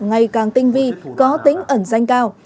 ngày càng tinh vi có tính ẩn danh cao